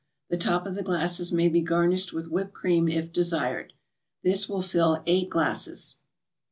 The top of the glasses may be garnished with whipped cream, if desired. This will fill eight glasses.